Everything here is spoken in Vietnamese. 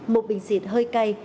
một bình xịt hơi cay